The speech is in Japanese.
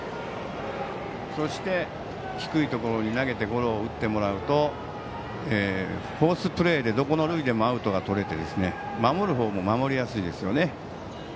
そして低いところに投げてゴロを打ってもらうとフォースプレーで、どこの塁でもアウトがとれて守る方も守りやすいですよね。